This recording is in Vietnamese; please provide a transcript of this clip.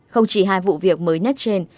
không chỉ hai vụ việc mới nhất trên